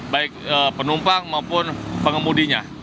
baik penumpang maupun pengemudinya